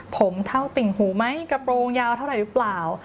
ผมเท่าติ่งหูไหมกระโปรงยาวเท่าไหร่หรือเปล่า